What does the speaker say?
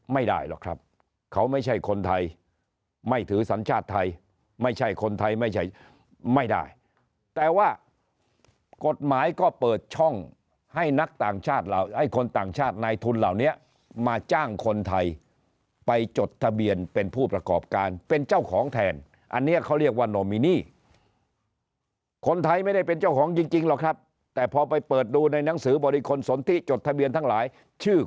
ไม่ได้หรอกครับเขาไม่ใช่คนไทยไม่ถือสัญชาติไทยไม่ใช่คนไทยไม่ใช่ไม่ได้แต่ว่ากฎหมายก็เปิดช่องให้นักต่างชาติเหล่าให้คนต่างชาตินายทุนเหล่านี้มาจ้างคนไทยไปจดทะเบียนเป็นผู้ประกอบการเป็นเจ้าของแทนอันนี้เขาเรียกว่าโนมินีคนไทยไม่ได้เป็นเจ้าของจริงหรอกครับแต่พอไปเปิดดูในหนังสือบริคลสนทิจดทะเบียนทั้งหลายชื่อ